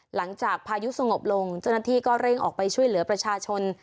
หลังจากพายุสงบลงเจ้าหน้าที่ก็เร่งออกไปช่วยเหลือประชาชน